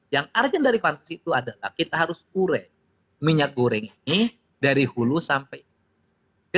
yang urgent dari pansus itu adalah kita harus ure minyak goreng ini dari hulu sampai ke